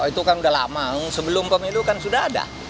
itu kan udah lama sebelum pemilu kan sudah ada